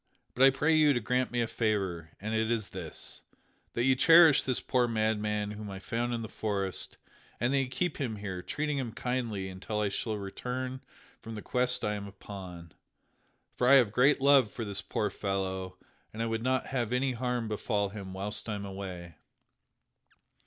But I pray you to grant me a favor, and it is this: that you cherish this poor madman whom I found in the forest, and that you keep him here, treating him kindly until I shall return from the quest I am upon. For I have great love for this poor fellow and I would not have any harm befall him whilst I am away."